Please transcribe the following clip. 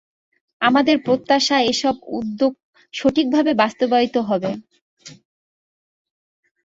আমাদের প্রত্যাশা, এসব উদ্যোগ সঠিকভাবে বাস্তবায়িত হবে।